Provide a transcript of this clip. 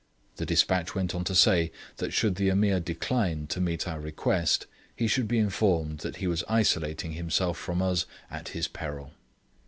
The despatch went on to say that should the Ameer decline to meet our request, he should be informed that he was isolating himself from us at his peril.